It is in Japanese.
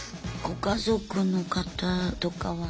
ご家族の方とかは。